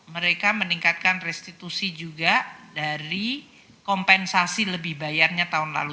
mereka meningkatkan restitusi juga dari kompensasi lebih bayarnya tahun lalu